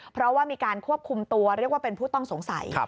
เพราะว่ามีการควบคุมตัวเรียกว่าเป็นผู้ต้องสงสัย